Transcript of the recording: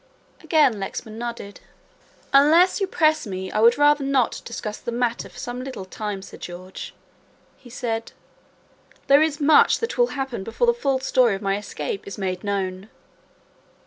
Again Lexman nodded. "Unless you press me I would rather not discuss the matter for some little time, Sir George," he said, "there is much that will happen before the full story of my escape is made known."